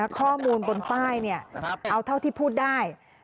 ข้อมูลบนป้ายเอาเท่าที่พูดได้